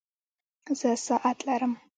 زه ساعت لرم